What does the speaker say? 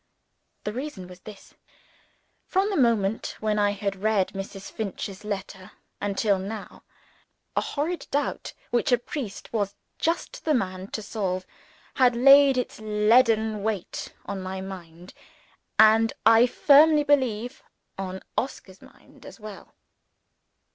The reason was this. From the moment when I had read Mrs. Finch's letter until now, a horrid doubt, which a priest was just the man to solve, had laid its leaden weight on my mind and, I firmly believe, on Oscar's mind as well.